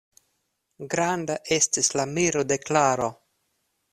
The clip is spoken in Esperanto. Granda estis la miro de Klaro.